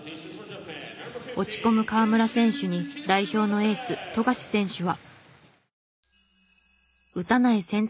落ち込む河村選手に代表のエース富樫選手は。